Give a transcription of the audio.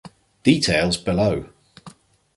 Details below.